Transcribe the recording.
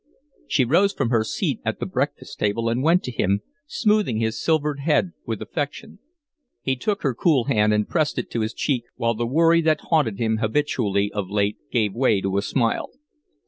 She rose from her seat at the breakfast table and went to him, smoothing his silvered head with affection. He took her cool hand and pressed it to his cheek, while the worry that haunted him habitually of late gave way to a smile.